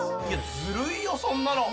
ずるいよ、そんなの。